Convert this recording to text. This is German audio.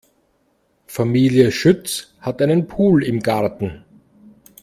Familie Schütz hat einen Pool im Garten.